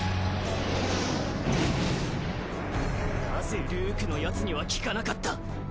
なぜルークのヤツには効かなかった。